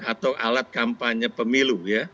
atau alat kampanye pemilu ya